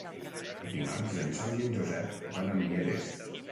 Dimarts en Sam i en Josep van a Mieres.